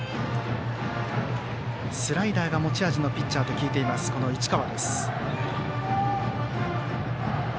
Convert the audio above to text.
スライダーが持ち味のピッチャーと聞いています、市川。